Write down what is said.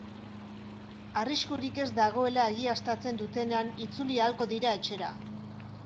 Arriskurik ez dagoela egiaztatzen dutenean itzuli ahalko dira etxera.